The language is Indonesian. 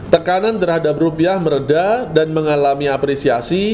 tekanan terhadap rupiah meredah dan mengalami apresiasi